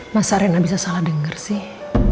masa rena bisa salah denger sih